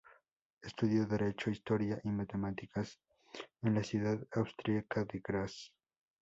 Estudió Derecho, Historia y Matemáticas en la ciudad austríaca de Graz.